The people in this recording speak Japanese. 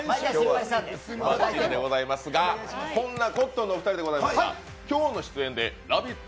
そんなコットンのお二人でございますが、「ラヴィット！」